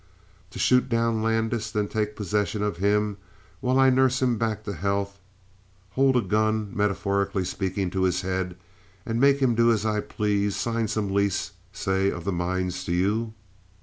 "To shoot down Landis, then take possession of him and while I nurse him back to health hold a gun metaphorically speaking to his head and make him do as I please: sign some lease, say, of the mines to you?"